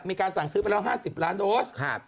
มีการสั่งซื้อไปแล้ว๕๐ล้านโดส